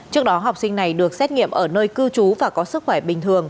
trước đó học sinh này được xét nghiệm ở nơi cư trú và có sức khỏe bình thường